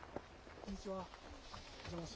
こんにちは。